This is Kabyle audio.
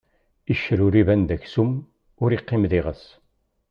Iccer ur iban d aksum, ur iqqim d iɣes.